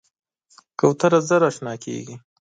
کوتره ژر اشنا کېږي.